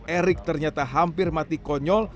erik ternyata hampir mati konyol